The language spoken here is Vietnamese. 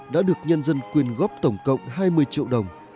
đã được nhân dân quyên góp tổng cộng hai mươi triệu đồng